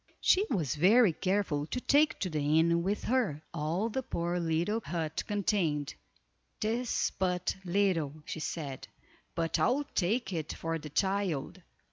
She was very careful to take to the inn with her, all the poor little hut contained. "'Tis but little," she said, "but I'll take it for the child."